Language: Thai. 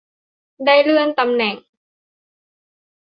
ได้เลื่อนตำแหน่ง